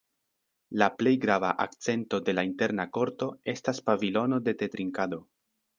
La plej grava akcento de la interna korto estas pavilono de tetrinkado.